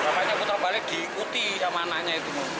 bapaknya puter balik diikuti sama anaknya itu